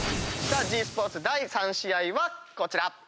ｇスポーツ第３試合はこちら。